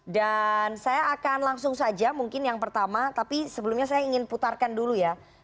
dan saya akan langsung saja mungkin yang pertama tapi sebelumnya saya ingin putarkan dulu ya